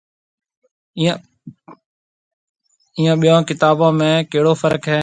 ائيون ٻيون ڪتابون ۾ ڪيهڙو فرق هيَ۔